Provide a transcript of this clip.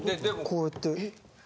こうやって。